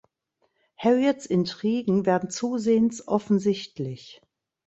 Harriets Intrigen werden zusehends offensichtlich.